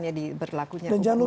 jadi berlakunya hukuman mati